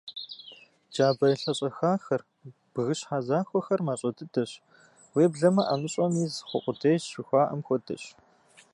Джабэ елъэщӏэхахэр, бгыщхьэ захуэхэр мащӏэ дыдэщ, уеблэмэ «ӏэмыщӏэм из хъу къудейщ» жыхуаӏэм хуэдэщ.